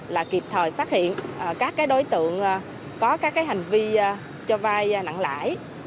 là kịp thời phát hiện các đối tượng có các hành vi cho vai nặng lãi